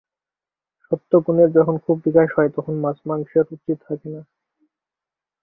সত্ত্বগুণের যখন খুব বিকাশ হয়, তখন মাছ-মাংসে রুচি থাকে না।